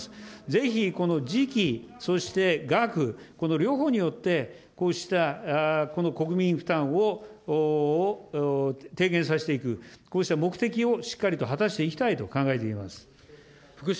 ぜひこの時期、そして額、この両方によってこうした国民負担を低減させていく、こうした目的をしっかりと果たしていきたいと考えています。